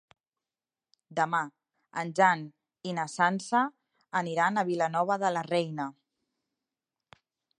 Demà en Jan i na Sança aniran a Vilanova de la Reina.